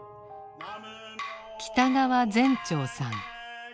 北川前肇さん。